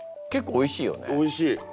おいしい。